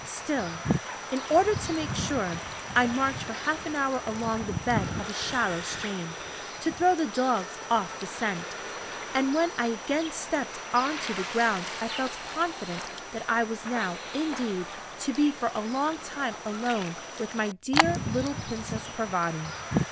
Still, in order to make sure, I marched for half an hour along the bed of a shallow stream, to throw the dogs off the scent, and when I again stepped onto the ground I felt confident that I was now, indeed, to be for a long time alone with my dear little Princess Parvati.